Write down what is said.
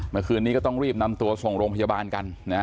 เมื่อคืนนี้ก็ต้องรีบนำตัวส่งโรงพยาบาลกันนะฮะ